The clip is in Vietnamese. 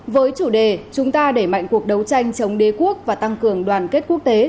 với chủ đề chúng ta đẩy mạnh cuộc đấu tranh chống đế quốc và tăng cường đoàn kết quốc tế